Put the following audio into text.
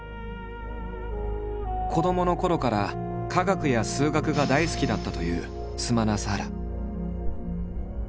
子どものころから科学や数学が大好きだったというスマナサーラ。